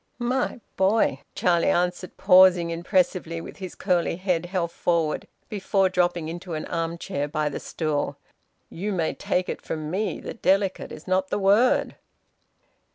"My boy," Charlie answered, pausing impressively with his curly head held forward, before dropping into an arm chair by the stool, "you may take it from me that `delicate' is not the word!"